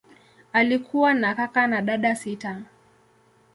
Alikuwa na kaka na dada sita.